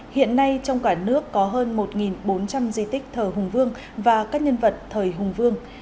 hiện nay trong cả nước có hơn một bốn trăm linh di tích thờ hùng vương và các nhân vật thời hùng vương